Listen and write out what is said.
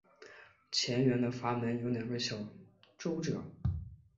前缘的阀门有两个小皱褶。